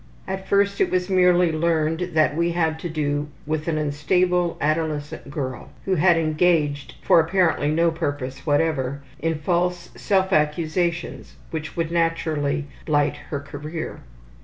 At first it was merely learned that we had to do with an unstable, adolescent girl who had engaged for apparently no purpose whatever in false self accusations which would naturally blight her career.